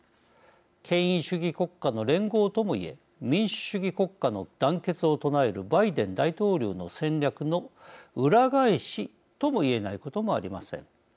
権威主義国家の連合ともいえ民主主義国家の団結を唱えるバイデン大統領の戦略の裏返しとも言えないこともありません。